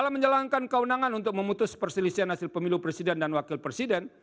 menjalankan kewenangan untuk memutus perselisihan hasil pemilu presiden dan wakil presiden